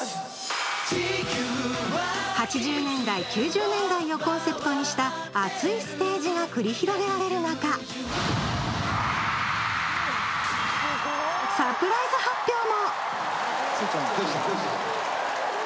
８０年代、９０年代をコンセプトにした熱いステージが繰り広げられる中サプライズ発表も！